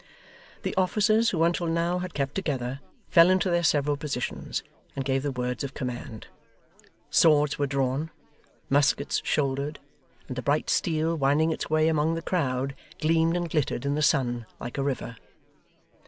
The officers, who until now had kept together, fell into their several positions, and gave the words of command. Swords were drawn, muskets shouldered, and the bright steel winding its way among the crowd, gleamed and glittered in the sun like a river.